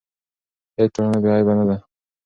هیڅ ټولنه بې عیبه نه ده.